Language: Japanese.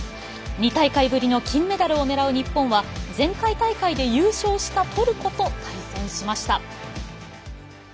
２大会ぶりの金メダルを狙う日本は前回大会で優勝したトルコと対戦しました。